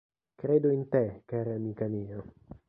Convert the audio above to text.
Credo in te, cara amica mia.